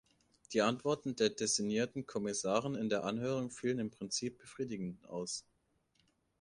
Die Antworten der designierten Kommissarin in der Anhörung fielen im Prinzip befriedigend aus.